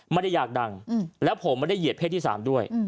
ไม่ได้อยากดังแล้วผมไม่ได้เหยียดเพศที่๓ด้วย